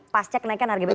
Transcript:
pas cek kenaikan harga bbm